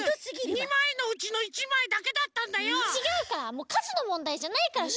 ２まいのうちの１まいだけだったんだよ！ちがうから。